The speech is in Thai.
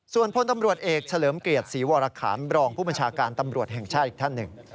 ส่วนพลตำรวจเอกเฉลิมเกียรติศรีวรคามรองผู้บัญชาการตำรวจแห่งชาติอีกท่านหนึ่ง